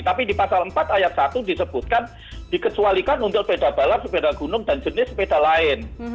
tapi di pasal empat ayat satu disebutkan dikecualikan untuk sepeda balap sepeda gunung dan jenis sepeda lain